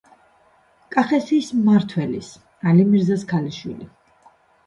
კახეთის მმართველის, ალი მირზას ქალიშვილი.